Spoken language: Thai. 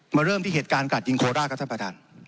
มาเริ่มที่เหตุการณ์กัดยิงโคร้าต